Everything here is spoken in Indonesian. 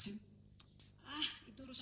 bagaimana kalau kita membuat sertifikat